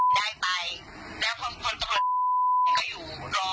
เข้าใจไหมตอนแรก